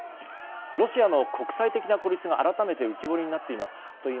ロシアの国際的な孤立が改めて浮き彫りになっています。